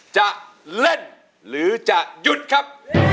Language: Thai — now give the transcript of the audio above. จะเล่นหรือจะหยุดครับ